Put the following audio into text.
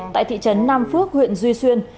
tại thị trấn nam phước huyện duy xuyên